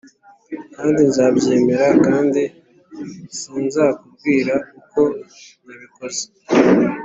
kandi nzabyemera kandi sinzakubwira uko nabikoze